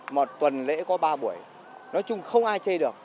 một tuần lễ có ba buổi nói chung không ai chê được